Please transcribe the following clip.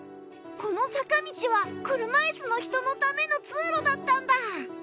この坂道は車いすの人のための通路だったんだ！